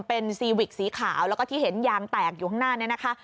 เป็นซีวิกสีขาวแล้วก็ที่เห็นยางแตกอยู่ข้างหน้านี้นะคะ